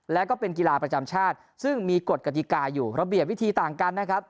แล้วก็เป็นกีฬาประจำชาติซึ่งมีกฎกติกาอยู่ระเบียบวิธีต่างกันนะครับ